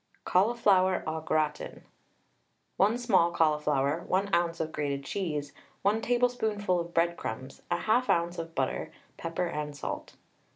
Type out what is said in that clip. CAULIFLOWER AU GRATIN. 1 small cauliflower, 1 oz. of grated cheese, 1 tablespoonful of breadcrumbs, 1/2 oz. of butter, pepper and salt.